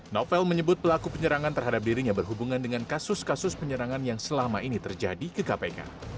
novel menyebut pelaku penyerangan terhadap dirinya berhubungan dengan kasus kasus penyerangan yang selama ini terjadi ke kpk